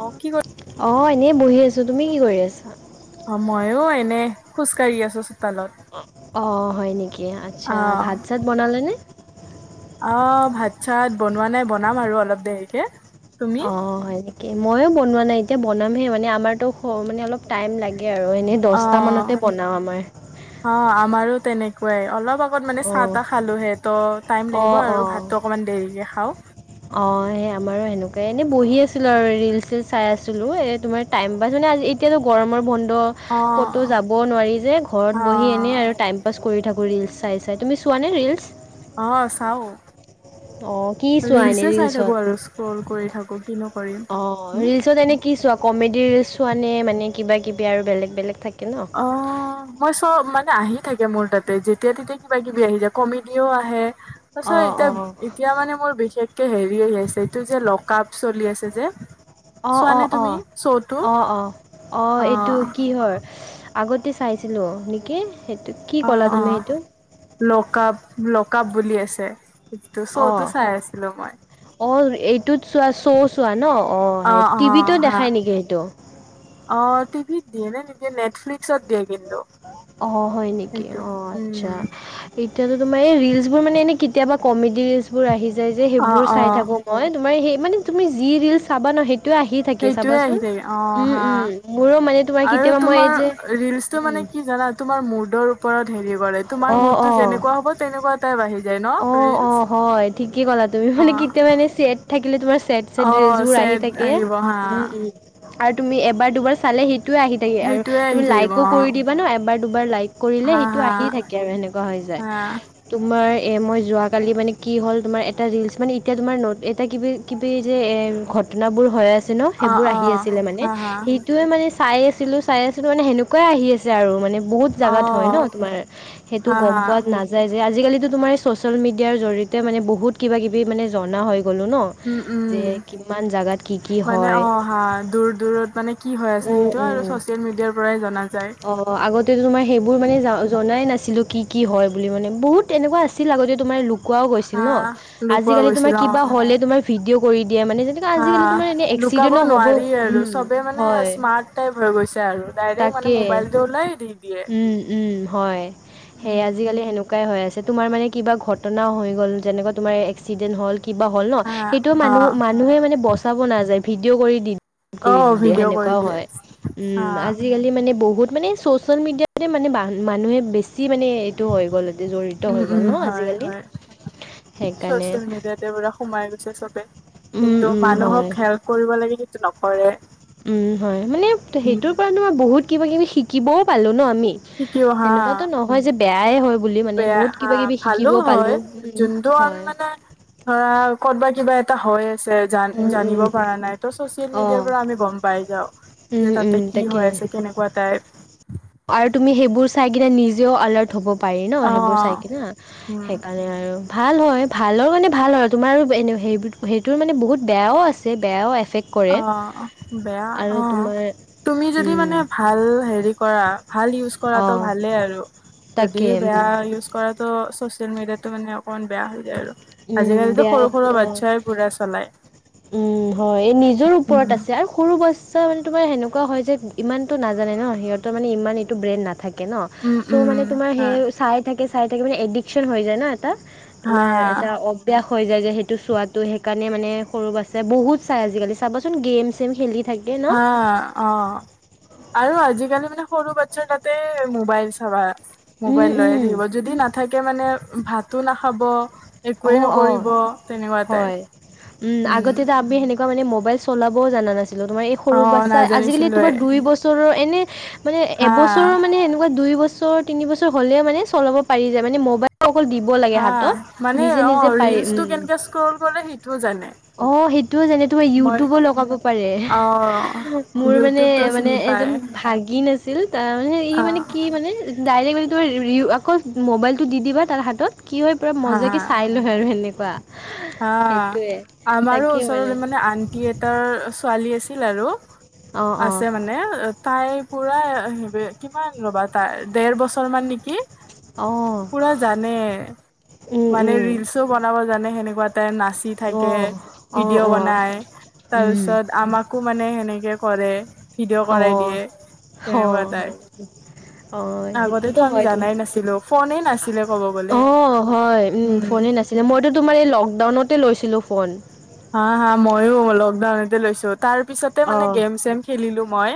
অ কি কৰি অ', এনেই বহি আছো, তুমি কি কৰি আছা? অ' ময়ো এনেই খোজকাঢ়ি আছো। চোতালত অ, হয় নেকি আচ্ছা, অ ভাত চাত বনালেনে? অ', ভাত চাত বনোৱা নাই বনাম আৰু অলপ দেৰিকে তুমি অ', হয়। তাকেই ময়ো বনোৱা নাই এতিয়া বনামহে মানে আমাৰতো মানে অলপ টাইম লাগে আৰু এনে অ', হ, আমাৰো তেনেকুৱাই অলপ অকণ মানে চাহ অঁ তাহ খালোঁহে ত' টাইম লাগিব অঁ আৰু ভাতটো অকণমান দেৰিকৈ খাওঁ। অ' সেই আমাৰো সেনেকুৱাই এনে বহি আছিলো আৰু ৰিলচ চিল চাই আছিলো এ তোমাৰ টাইম পাইছ মানে আজি এতিয়াতো গৰমৰ বন্ধ অ ক'তো যাব নোৱাৰি যে অ ঘৰত বহি এনে আৰু টাইম পাছ কৰি থাকোঁ ৰিলচ চাই চাই, তুমি চোৱানে ৰিলচ? অ', চাও, অঁ কি চোৱা এনেই ৰিলছে চাই ৰিলচত থাকো আৰু স্ক্ৰল কৰি থাকো। কিনো অ, ' কৰিম ৰিলচত এনে কি চোৱা কমেডি ৰিলচ চোৱা নে মানে কিবা কিবি আৰু বেলেগ বেলেগ থাকে ন? অ, '। মই চব মানে আহি থাকে, মোৰ তাতে যেতিয়া তেতিয়া কিবা কিবি আহি যায়, কমেডিও আহে। তাৰছত অ' এতিয়া অ' অ' এতিয়া মানে মোৰ বিশেষকে হেৰি আহি আছে এইটো যে লক আপ চলি আছে যে। অ', চোৱানে অ', তুমি অ', শ্ব'টো অ', অ', অ' এইটো কি হয়? আগতে চাইছিলোঁ নেকি সেইটোত অ', অ' লক আপ লক আপ বুলি আছে। সেটো শ্ব'তো অ' চাই আছিলো মই। অ' এইটোত চোৱা শ্ব' চোৱা ন'? অ' সেই টিভিতো দেখাই নেকি সেইটো? অ' টিভিত দিয়ে নে নিদিয়ে নেটফ্লিক্সত দিয়ে কিন্তু। অ' হয় নেকি সেইটো অ' আচ্ছা। উম এতিয়াতো তোমাৰ এই ৰিলচবোৰ মানে এনেই কেতিয়াবা কমেডি ৰিলচবোৰ আহি যায় যে অ সেইবোৰ অ চাই থাকো। মই তোমাৰ সেই মানে তুমি যি ৰিল চাবা ন সেইটোয়ে আহি থাকে সেইটোয়ে চাবাচোন আহি থাকে অ উম হা উম মোৰো মানে তোমাৰ আৰু কেতিয়াবা মই তোমাৰ এই যে ৰিলচটো উম মানে কি জানা? তোমাৰ মুডৰ ওপৰত হেৰি কৰে তোমাৰ অঁ মুডতো যেনেকুৱা হ'ব তেনেকুৱা এটাই আহি যায় ন। অ', ৰিলচ অ' হয় ঠিকে ক'লা তুমি অ মানে কেতিয়াবা এ চেট থাকিলে তোমাৰ চেট চেট ৰিলস অ বোৰ আহি চেদ থাকে আহিব হা আৰু তুমি এবাৰ দুবাৰ চালে সেইেটোৱে আহি কেই আৰু সেইটোয়ে আহি তুমি থাকিব লাইকো কৰি অ দিবা ন, এবাৰ দুবাৰ লাইক কৰিলে হা সেইটো হা আহি থাকে আৰু সেনেকুৱা হৈ যায়। হা তোমাৰ? এ মই যোৱাকালি মানে কি হ'ল, তোমাৰ এটা ৰিলচ মানে এতিয়া তোমাৰ নোট এটা কিবি কিবি যে ঘটনাবোৰ হৈ আছে ন অ সেইবোৰ অ আছিল মানে হা হা সেইটে মানে চাই আছিলো। চাই আছো তাৰানে সেনেকুৱাই আহি আছে আৰু মানে বহুত অ জাগাত হয় ন তোমাৰ সেইটো হা গম হা পোৱাত নায যাই যে আজিকালিতো তোমাৰ এই ছচিয়েল মিডিয়াৰ জৰিয়তে মানে বহুত কিবা কিবি মানে জনা হৈ গ'লো ন। উম উম যে কিমান জাগাত কি কি? মানে হয় অ হা দূৰ দূৰত মানে কি হৈ আছে উম সেইটো আৰু ছচিয়েল মিডিয়াৰ পৰাই জনা যায়। অ' আগতেো তোমাৰ সেইবোৰ মানে জনাই নাছিলো কি কি হয় বুলি মানে বহুত এনেকুৱা আছে আগতে তোমাৰ লুকুৱও গৈছিল হা ন লুকোৱা আজিকালি তোমাৰ গৈছিল অ কিবা হ'লে তোমাৰ ভিডিঅ' কৰি দিয়ে মানে যে হা আজিকালি তোমাৰ এনে লুকাব এক্সিডেন্টো হ'ব নোৱাৰি আৰু উম চবে মানে হয়। স্মাৰ্ট টাইপ হৈ গৈছে আৰু ডাইৰেক্ট মানে তাকে মোবাইলটো ওলাই দি দিয়ে উম উম হয় সেই আজিকালি সেনেকা শুকাই হৈ আছে তোমাৰ মানে কিবা ঘটনাও হৈ গ'ল যেনেকা তোমাৰ এক্সিডেণ্ট হ'ল কিবা হ'ল ন হা সেইটো হা মানুহ মানুহে মানে বচাব নাযায় ভিডিঅ' কৰি দি কৰি অ দিলে ভিডিঅ' কৰি সেনেকুৱা দিয়ে হয় হা উম আজি মানে বহুত মানে ছ'চিয়েল মিডিয়াতে মানে মানুহে বেছি মানে এইটো হৈ গ'ল জড়িত হৈ উম গল। ন হয় আজিকালি হয়। সেইকাৰণে চচিয়েল মিডিয়াতে পুৰা সোমাই গৈছে চবে উম, কিন্তু উম, হয় মানুহক হেল্প কৰিব লাগে কিন্তু নকৰে। উম, হয় মানে উম সেইটোৰ পৰাতোই বহুত কিবা কিবি শিকিবও পালোঁ ন আমি। শিকিও হা সেনেকুৱাতো নহয় যে বেয়াইে হয়। বুলি মানে বেয়া বহুত হা কিবা কিবি ভালো শিকিব পালো হয়। হয় আৰু ক'তবা কিবা এটা হৈ আছে জ অঁ জানিব উম পৰা নাই ত চচিয়েল মিডিয়াৰ অ', পৰা আমি গম পাই যাও। যে উম তাতে উম, কি তাকে হৈ আছে কেনেকুৱা টাইপ? আৰু তুমি সেইবোৰ চাই কিনে নিজেও আলাৰ্ট হ'ব পাৰি ন অ সেইবোৰ চাই কিনা উম সেইকাৰণে মানে আৰু ভাল হয় ভালৰ মানে ভাল হয় তোমাৰোনে সেইটোৰ মানে বহুত বেয়াও আছে। বেয়াও এফেক্ট কৰে অ' বেয়া আৰু অ' তোমাৰ তুমি যদি মানে ভাল হেৰি কৰা ভাল ইউজ কৰাটো অঁ ভালেই আৰু যদি তাকে বেয়া উম ইউজ কৰা ত চচিয়েল মিডিয়াতো মানে অকমান বেয়া হৈ যায় আৰু উম, আজিকালিতো বেয়া সৰু সৰু অঁ বাচ্ছাই পুৰা চলায়। উম হয় এই নিজৰ ওপৰত উম আছে আৰু সৰু বছ ছাৰ মানে তোমাৰ সেনেকুৱা হয় যে ইমানতটো নাজানে ন সিহঁতৰ মানে ইমান এইটো ব্ৰেণ্ড নাথাকে ন। উম চ' উম মানে তোমাৰ সেই হয় চাই থাকে চাই থাকে মানে এডিকচন হৈ যায় ন এটা। হা তোমাৰ হা এটা অভ্যাস হৈ যায় যে সেইটো চোৱাটো সেইকাৰণে মানে সৰু আছে বহুত চাই আজিকালি চাবচোন গেম চেম খেলি। থাকে ন হা। অ', আৰু আজিকালি মানে সৰু বাচ্ছাৰ তাতে মোবাইল চাবা। উম মোবাইল লৈয়ে উম থাকিব যদি নাথাকে মানে ভাতো নাখাব। একোৱে অ', অ' নকৰিব তেনেকুৱা টাইপ হয়, উম, আগতেতো আমি সেনেক মানে মোবাইল চলাব‌ও জানা নাছিলোঁ তোমাৰ এই অ সৰু বাচ্ছা আজিকালি তোমাৰ নাজানিছিলোয়ে দুই বছৰৰ এনেই মানে হা এবছৰৰ মানে এনেকুৱা দুই বছৰ দুই বছৰ তিন বছৰ হলে মানে চলাব পাৰি যায় মানে মোবাইল অকল দিব লাগে হা হাতত মানে নিজে নিজে অ' পাৰি ৰিলচটো উম। কেনেকে স্ক্ৰল কৰে সেইটোও জানে অ' সেইটোও জানে তোমাৰ মই ইউটিউবো লগাব পাৰে অ মোৰ মানে ইউটিউবটো মানে চিনি পায় এজন ভাগিন নাছিল তাৰ মানে ই অ মানে কি মানে ডাইৰি [unintelligible] আকৌ মোবাইলটো দি দিবা তাৰ হাতত কি হয় পুৰা হা মজা হা [unintelligible] আৰু সেনেকুৱা হা, সেইটোৱে আমাৰো ওচৰত মানে আনটি এটাৰ ছোৱালী আছিল আৰু অঁ অঁ আছে মানে তাই পুৰা হে কিমান ৰ'বা তাইৰ দেৰ বছৰ মান নেকি অঁ পুৰা জানে উম মানে উম ৰিলচোও বনাব জানে সেনেকুৱা নাচি থাকে অঁ অঁ ভিডিঅ' অঁ বনাই উম তাৰপিছত আমাক কো মানে সেনেকে কৰে ভিডিঅ' অঁ কৰাই দিয়ে অঁ তেনেকুৱা তাই [inaudible] আগতেতো সেইটোতো আমি হয় তুমি জানাই নাছিলোঁ ফোনে নাছিলে ক'ব গলে অ', হয় উম, ফোনে নাছিলে মইতো তোমাৰ এই লকডাউনতে লৈছিলোঁ ফোন হা, হা মইও লকডাউনতে লৈছোঁ তাৰ পিছতে মানে অঁ গেম চেম খেলিলোঁ মই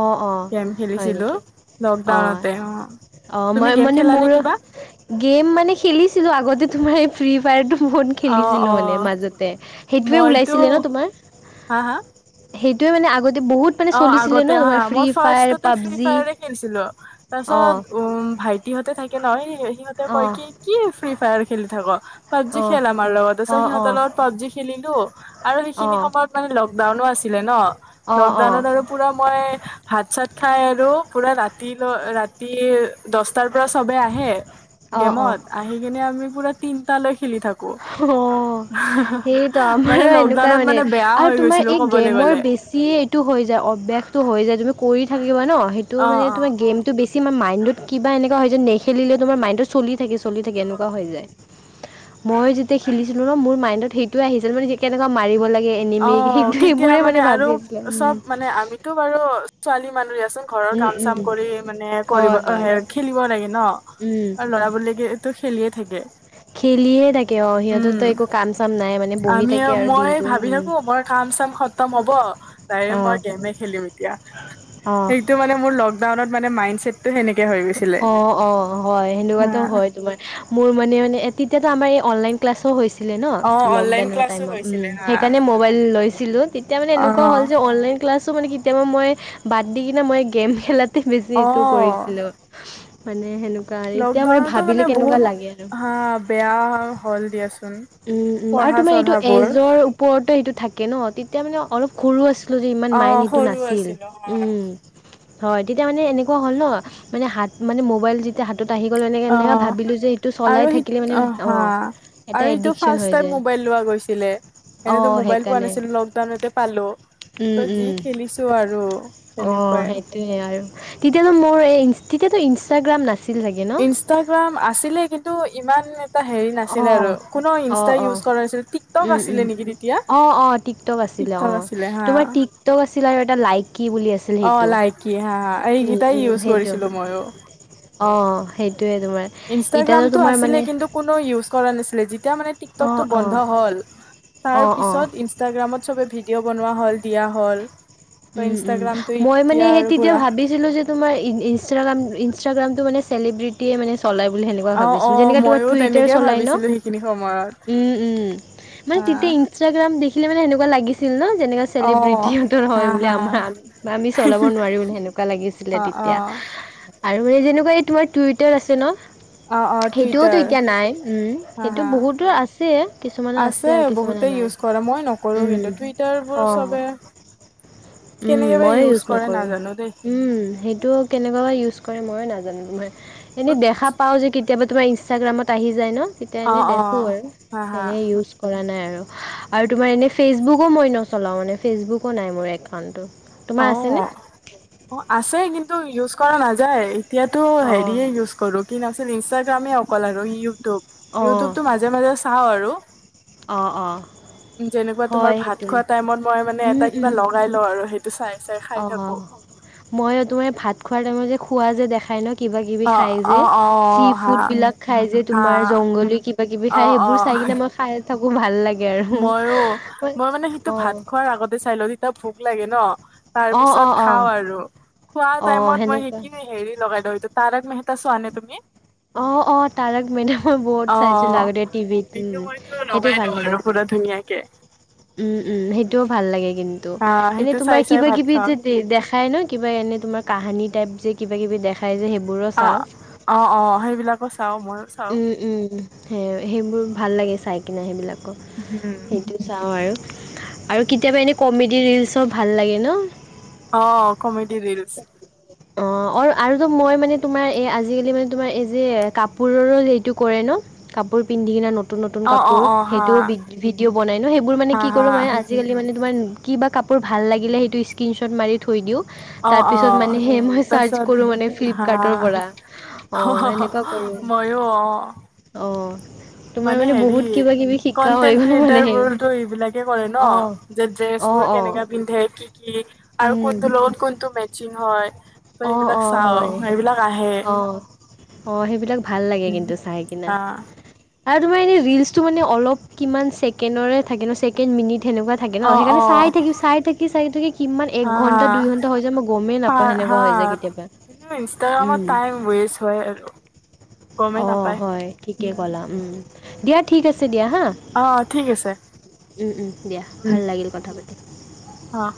অঁ অঁ গেম হয় খেলিছিলোঁ নেকি অঁ লকডাউনতে অ' অঁ তুমি মই গেম মানে খেলানে মোৰ কিবা? গেম মানে খেলিছিলোঁ আগতে তোমাৰ এই ফ্ৰী ফায়াৰটো অ', খেলিছিলোঁ মানে অ', মাজতে সেইটোৱে মইতো ওলাইছিলে ন তোমাৰ হা, হা সেইটোৱে মানে আগতে বহুত মানে অ' চলিছিলে ন আগতে হা তোমাৰ ফ্ৰী মই ফায়াৰ ফাৰ্ষ্টতে ফ্ৰী পাবজি ফায়াৰ য়ে খেলিছিলোঁ অঁ তাৰপিছত উম, ভাইটিহঁতে থাকে নহ সিহঁতে কয় অঁ কি কি ফ্ৰী ফায়াৰ খেলি থাক। পাবজি অঁ খেল আমাৰ লগত তাৰপিছত সিহঁতৰ অঁ লগত পাবজি খেলিলোঁ আৰু অঁ সেইখিনি অঁ সময়ত মানে লকডাউনো আছিলে ন। অঁ অঁ অঁ লকডাউনত আৰু পুৰা মই ভাত চাত খাই আৰু পুৰা ৰাতি -ল- ৰাতি দহটাৰ পৰা চবে আহে অঁ গেমত আহি কিনে আমি পুৰা তিনটা লৈ খেলি থাকোঁ। অ' সেইটো মানে আমাৰো এনেকুৱা লকডাউনত মানে বেয়া আৰু হৈ গৈছিলো তোমাৰ এই ক'বলৈ গেমৰ গ'লে। [unintelligible] এইটো হৈ যায় অভ্যাসটো হৈ যায় তুমি কৰি থাকিবা ন সেইটো অ মানে অ তোমাৰ গেম বেছি আমাৰ মাইণ্ডত কিবা এনেকুৱা হয় যে নেখেলিলে তোমাৰ মাইণ্ডত চলি থাকে চলি থাকে এনেকুৱা হৈ যায়। মইো যেতিয়া খেলিছিলোঁ ন মোৰ মাইণ্ডত সেইটোয়ে আহিছিল মানে কেনেকুৱা মাৰিব লাগে অ এনিমিক সেই কেতিয়া সেইবোৰে মানে ভাবি আছিলোঁ উম। টো বাৰু ছোৱালী মানুহ দিয়াচোন ঘৰৰ উম, কাম চাম উম, কৰি মানে কৰিব- হয় হয় খেলিব লাগে ন উম। ল'ৰা বুলি কি তো খেলিয়ে থাকে খেলিয়ে থাকে অ', উম সিহঁতৰতো একো কাম চাম নাই মানে বহি থাকে আৰু দিনটো ভাবি উম। থাকো অ' মই কাম চাম খতম হ'ব ডাইৰেক অ মই গেমে খেলিম এতিয়া এইটো মানে মোৰ লকডাউনত মান মণ্ডছেট তো সেনেকে হয় অ', অ', হয় সেনেকুৱাটো হয় তোমাৰ মোৰ মানে মানে তেতিয়াাতো আমাৰ এই অনলাইন ক্লাছো হৈছে হৈছিলে ন অ অনলাইন লকডাউনৰ ক্লাছো টাইমছ, হৈছিলে উম', হা সেইকাৰণ মবাইল লৈছিলোঁ তেতিয়া মানে অ এনেকুৱা হ'ল যে অনলাইন ক্লাছো মানে কেতিয়াবা মই বাদ দি কিনে মই গেম খেলাতে বেছি এইটো অ কৰিছিলোঁ মানে সেনেকুৱা আৰু এতিয়া মানে লকডাউনতো ভাবিলে কেনেকুৱা বহুত লাগে আৰু হা বেয়া হল দিয়া চো উম উম আৰু তোমাৰ এইটো এজৰ ওপৰতে সেইটো থাকে ন তেতিয়া মানে অলপ সৰু আছিলো যে ইমান মাইন অ' সেইটো সৰু নাছিল। আছিলো হয়। উম হয় তেতিয়া মানে এনেকুৱা হ'ল ন মানে হাত মানে মোবাইল হাতত আহি গ'লো এনেকে এনেক অ' ভাবিলো যে সেইটো আৰু চলাই সি থাকিলে মানে হা অ' এটা আৰু এইটো এডিকশ্যন ফাৰ্চ হৈ টাইম যায় মবাইল লোৱা গৈছিলে, এনেতো অ' মোবাইল পোৱা সেইকাৰণে নাছিলো লকডাউনতে পালো। ত উম, যি উম। খেলিছো আৰু তেনেকুৱাই। সেইয়ে আৰু তেতিয়ানো মোৰ এই তেতিয়াতো ইনষ্টাগ্ৰাম নাছিল চাগে ন। ইষ্টাগ্ৰাম আছিলে কিন্তু ইমান হেৰি নাছিলে আৰু অ', কোনো ইনষ্টা অ', ইউজ অ'। কৰা নাছিলে টিক টক উম আছিলে উম নেকি তেতিয়া। অঁ অঁ টিকটক আছিলে টিকটক অ' আছিলে হা। তোমাৰ টিকটক আছিলে আৰু এটা লাইকি বুলি আছিল। অ' সেইটো লাইকি হা হা এইকেইটাই ইউজ কৰিছিলো ময়ো। অ' সেইটোৱে তোমাৰ। এতিয়াতো ইনষ্টাগ্ৰামতটো তোমাৰ মানে আছিলে কিন্তু কোনো ইউজ কৰা না যেতিয়া মানে টক অঁ টো অঁ বন্ধ হল তাৰ অঁ অঁ পিছত ইনষ্টাগ্ৰামত চবে ভিডিঅ' বনোৱা হ'ল দিয়া হ'ল। ত উম উম। ইনষ্টাগ্ৰামটো মই মানে এতিয়া সেই আৰু তেতিয়া পুৰা ভাবি যে তোমাৰ ই্ৰ ইনষ্টাগ্ৰামটো মানে চেলিব্ৰিটে মানে চলাই বুলি সেনেকুৱা অ অ ভাবিছিলোঁ যেনেকৈ তোমাৰ মইয়ো টুইটাৰ তেনেকে চলাই ন ভাবিছিলো সেইখিনি সময়ত উম, উম। মানে হা তেতিয়া ইনষ্টাগ্ৰাম দেখিলে মানে সেনেকোৱা লাগিছিল ন যেনেকুৱা অ চেলিব্ৰিটিহতৰ হা হয়। বোলে হা আমাৰ আমি চলাব নোৱাৰো সেনেকুৱা লাগিছিলে অ অ তেতিয়া। আৰু যেনেকুৱা এই তোমাৰ টুইটাৰ আছে ন? অ অ সেইটোওতো টুইটাৰ এতিয়া নাই হা সেইটো হা বহুতোৰ আছে কিছুমানৰ আছে আৰু কিছুমানৰ বহুতে নাই। ইউজ কৰে মই নকৰোঁ উম কিন্তু টুইটাৰবোৰ অঁ চবে উম কেনেকে বা ময়ো ইউজ কৰে নকৰোঁ নাজানো দেই। উম সেইটো কেনেকুৱা বা ইউজ কৰে ময়ো নাজানো ময় এনেই দেখা পাওঁ যে কেতিয়াবা তোমাৰ ইনষ্টাগ্ৰামত আহি যায় ন। তেতিয়া অ', এনেই দেখোঁ অ', হা, আৰু হা, এনেই ইউজ কৰা নাই আৰু আৰু তোমাৰ এনেই ফেচবুকো মই নচলাওঁ মানে ফেচবুকো নাই মোৰ একাউণ্টটো। তোমাৰ আছেনে অ', অ' আছে কিন্তু ইউজ কৰা নাযায় এতিয়াতো অঁ হেৰিয়ে ইউজ কৰো কিন্ত আ ইনষ্টাগ্ৰামে অকল আৰু ইউটিউব অঁ ইউটিউবতটো মাজে মাজে চাওঁ আৰু। অঁ অঁ যেনেকুৱা তোমাৰ হয় ভাত সেইটো খোৱা টাইমত মই মানে উম এটা কিবা উম লগাই লও আৰু সেইটো চাই চাই খাই অ', থাকোঁ। অ' ময়ো তোমাৰ ভাত খোৱাৰ টাইমত যে খোৱা যে দেখাই ন কিবাকিবি অ', খাই যে? অ', চি অ', হা, ফুড বিলাক খাই যে হা, তোমাৰ জংগল কিবা কিবি খাই অ', সেইবোৰ চাই কিনে মই খাই থাকো ভাল লাগে আৰু। মইো মই মানে সেইটো অ' ভাত খোৱাৰ আগতে চাই লওঁ তেতিয়া ভোক লাগে ন। তাৰ অ' পিছত অ' অ' খাও আৰু খোৱা অ' টাইমত মই সেনেকুৱা সেইখিন হেৰি লগাই দেওঁ সেইটো তাৰক মেহতা চোৱানে তুমি? অ', অ' তাৰক মেডাম মই বহুত চাইছিলো অ', আগতে টিভিত উ সেইটো মইতো সেইটো লগাই ভাল লওঁ লাগে। আৰু পুৰা ধুনীয়াকে উম উম সেইটোও ভাল লাগে কিন্তু আহ এনেই সেইটো তোমাৰ চাই চাই কিবা ভাত কিবি খাওঁ। যে দেখাই ন কিবা এনে তোমাৰ কাহানী টাইপ যে কিবা কিবি দেখাই যে সেইবোৰো আহ চাও। অ', অ' সেইবিলাক চাও মই। উম উম। সে-সেইবোৰ ভাল লাগে চাই কিনে সেইবিলাকো। হুম। সেইটো চাওঁ আৰু, আৰু কেতিয়াবা এনে কমেডি ৰিলচৰ ভাল লাগে ন। অ' কমেডি ৰিলচ। অ', অ', আৰু মই মানে, তোমাৰ এই আজিকালি মান তোমাৰ এই যে কাপোৰৰো এইটো কৰে ন কাপোৰ পিন্ধি কিনা নতুন নতুন অ', কাপোৰ অ', অ', হা, সেইটো ভিডিঅ' বনাইনো সেইবোৰ মানে হা, কি কৰো হা, মান আজিকালি মানে তোমাৰ কি বা কাপোৰ ভাল লাগিলে সেইটো স্কণশ্বট মাৰি থৈ দিওঁ। তাৰ অ', পিছত অ'। মানে, সেই মই চাৰ্চ তাৰপিছত কৰো মানে হা, ফ্লিপকাৰ্টৰ পৰা অ সেনে ময়ো অ', অ তোমাৰ মানে হেৰি বহুত কিবা কিবি শিকা হৈ কনটেন্ট গ'ল মানে ক্ৰিয়েটাৰ সেই বোৰতো এইবিলাকে কৰে অ', ন'। যে ড্ৰেছ অ', বোৰ অ', কেনেকা পিন্ধে কি কি আৰু উম, কোনটো লগত কোনটো মেচিং হয়। তই অ', এইবিলাক অ', হয়, চাও এইবিলাক আহে। অ', অ', সেইবিলাক ভাল লাগে কিন্তু চাই কিনে। হা আৰু তোমাৰ এনে ৰিলচটো মানে অলপ কিমান ছেকেডৰে থে ন' চছেকেড মিনিট সনেকুৱা থাকে অ ন' অ সেইকাৰণে চাই থাকি চাই থাকি চাই থাকি কিমান এক হা ঘণ্টা দুই ঘণ্টা হৈ যায় মই গমেই পা নাপাওঁ সেনেক হা ইনষ্টাগ্ৰামত টাইম ৱেষ্ট হয় আৰু গমেই অ', নাপায় হয় ঠিকে ক'লা উম দিয়া ঠিক আছে দিয়া হা। অ', ঠিক আছে। উম, উম, দিয়া উম ভাল লাগিল কথা পাতি। অ, '